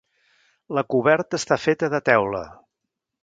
La coberta està feta de teula.